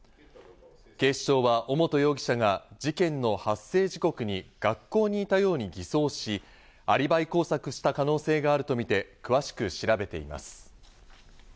警視庁は尾本容疑者が事件の発生時刻に学校にいたように偽装し、アリバイ工作した可能性があるとみて、詳しく調べています。